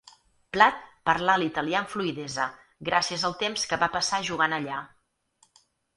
Platt parlà l'italià amb fluïdesa, gràcies al temps que va passar jugant allà.